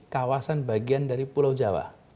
kawasan bagian dari pulau jawa